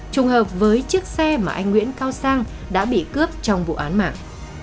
trùng hợp với chiếc xe mà anh nguyễn cao sang đã bị cướp trong vụ án mạng